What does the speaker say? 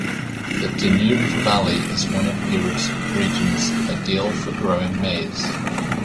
The Danube Valley is one of Europe's regions ideal for growing maize.